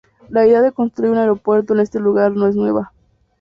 La idea de construir un aeropuerto en este lugar no es nueva.